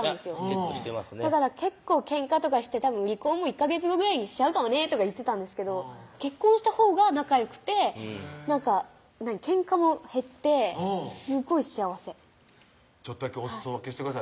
結構してますね結構ケンカとかして「たぶん離婚も１ヵ月後ぐらいにしちゃうかもね」とか言ってたんですけど結婚したほうが仲よくてなんかケンカも減ってすごい幸せちょっとだけおすそ分けしてください